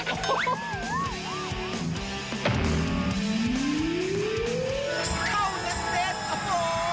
เข้าเด็ดโอ้โฮ